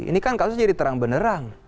ini kan kasus jadi terang benerang